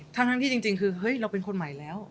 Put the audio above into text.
ทั้งที่จริงคือเฮ้ยเราเป็นคนใหม่แล้ว